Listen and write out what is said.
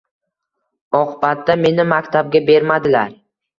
Oqbatda meni maktabga bermadilar.